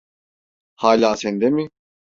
Hala sende mi?